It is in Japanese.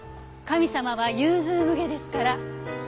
神様は融通無碍ですから。